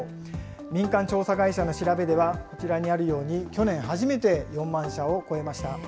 民間調査会社の調べでは、こちらにあるように、去年、初めて４万社を超えました。